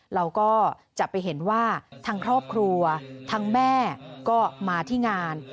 เราก็จะไปเห็นว่าทั้งครอบครัวทั้งแม่ก็มาที่งาน